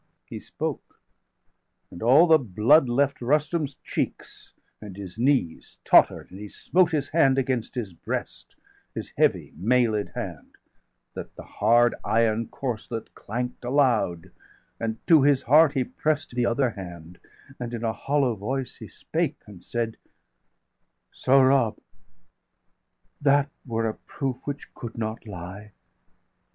660 He spoke; and all the blood left Rustum's cheeks, And his knees totter'd, and he smote his hand Against his breast, his heavy mailed hand, That the hard iron corslet° clank'd aloud; °663 And to his heart he press'd the other hand, 665 And in a hollow voice he spake, and said: "Sohrab, that were a proof which could not lie!